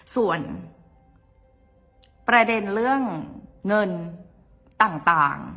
ส่วนประเด็นเรื่องเงินต่าง